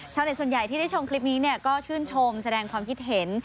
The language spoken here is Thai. ส่วนใหญ่ที่ได้ชมคลิปนี้ก็ชื่นชมแสดงความคิดเห็น